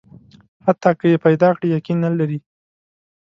حتی که یې پیدا کړي، یقین نه لري.